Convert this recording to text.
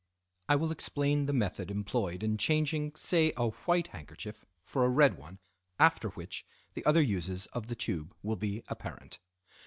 I will explain the method employed in changing say a white handkerchief for a red one after which the other uses of the tube will be apparent.